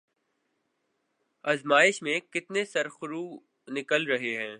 آزمائش میں کتنے سرخرو نکل رہے ہیں۔